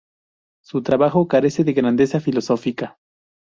Su trabajo carece de grandeza filosófica.